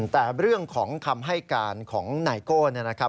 แต่เรื่องของคำให้การของไนโก้เนี่ยนะครับ